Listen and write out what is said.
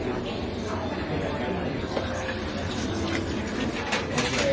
ขอบคุณครับ